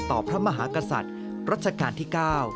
พระมหากษัตริย์รัชกาลที่๙